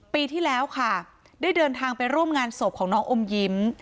ปีที่แล้วค่ะได้เดินทางไปร่วมงานศพของน้องอมยิ้ม